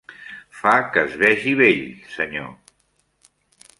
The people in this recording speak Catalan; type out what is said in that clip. Fa que es vegi vell, senyor.